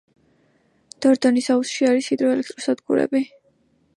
დორდონის აუზში არის ჰიდროელექტროსადგურები.